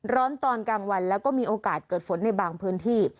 ตอนกลางวันแล้วก็มีโอกาสเกิดฝนในบางพื้นที่